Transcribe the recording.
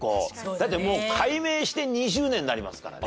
だってもう改名して２０年になりますからね。